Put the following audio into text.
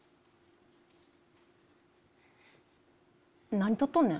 何撮っとんねん？